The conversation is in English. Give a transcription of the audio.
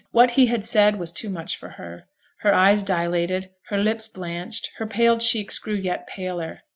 What he had said was too much for her. Her eyes dilated, her lips blanched, her pale cheeks grew yet paler.